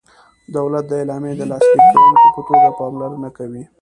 دولت د اعلامیې د لاسلیک کوونکي په توګه پاملرنه کوي.